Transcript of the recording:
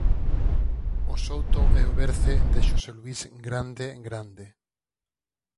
O Souto é o berce de Xosé Luís Grande Grande.